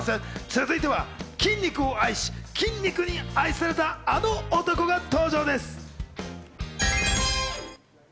続いては筋肉を愛し、筋肉に愛された、あの男が登場です。